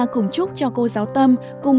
cùng chúc cho cô giáo tâm cùng